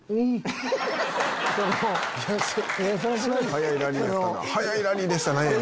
速いラリーでしたね。